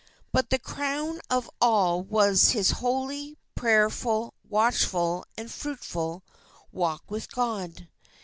But the crown of all was his holy, prayerful, watchful, and fruitful, walk with God....